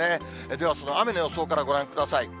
ではその雨の予想からご覧ください。